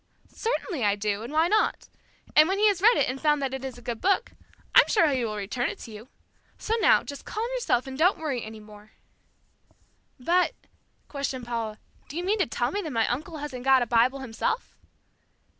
"Certainly I do, and why not? And when he has read it and found that it is a good book, I'm sure he will return it to you. So now, just calm yourself and don't worry any more." "But," questioned Paula, "do you mean to tell me that my uncle hasn't got a Bible himself?"